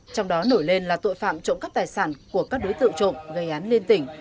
trong đó nổi lên là tội phạm trộm cắp tài sản của các đối tượng trộm gây án liên tỉnh